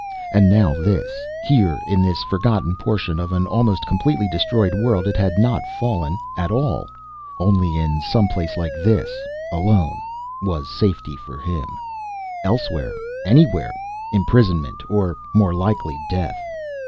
And now this. Here in this forgotten portion of an almost completely destroyed world it had not fallen at all. Only in some place like this, alone, was safety for him. Elsewhere anywhere imprisonment or, more likely, death.